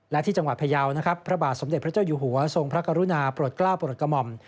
และที่จังหวัดพยาวนะครับพระบาทสมเด็จพระเจ้าอยู่หัวทรงพระกรุณาโปรดกล้าวโปรดกระหม่อม